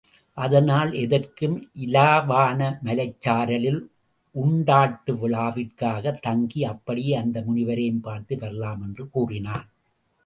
அதனால் எதற்கும் இலாவான மலைச்சாரலில் உண்டாட்டு விழாவிற்காகத் தங்கி அப்படியே அந்த முனிவரையும் பார்த்து வரலாம் என்று கூறினான்.